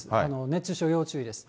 熱中症、要注意です。